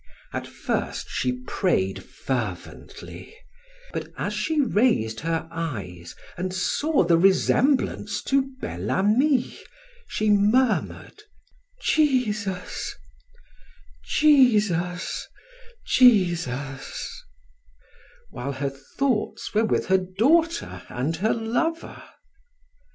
At first she prayed fervently, but as she raised her eyes and saw the resemblance to Bel Ami, she murmured: "Jesus Jesus " while her thoughts were with her daughter and her lover.